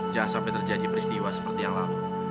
jangan sampai terjadi peristiwa seperti yang lalu